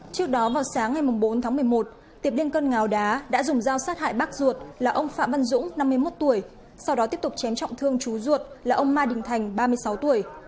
trước đó vào sáng ngày bốn tháng một mươi một tiệp điên cơn ngáo đá đã dùng dao sát hại bác ruột là ông phạm văn dũng năm mươi một tuổi sau đó tiếp tục chém trọng thương chú ruột là ông mai đình thành ba mươi sáu tuổi